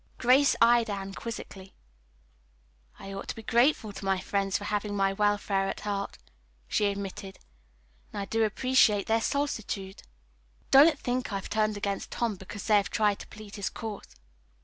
Grace eyed Anne quizzically. "I ought to be grateful to my friends for having my welfare at heart," she admitted, "and I do appreciate their solicitude. Don't think I've turned against Tom because they have tried to plead his cause.